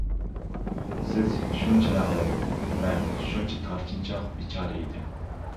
سىز شۇنچە مەغرۇر، مەن شۇنچە تارتىنچاق، بىچارە ئىدىم.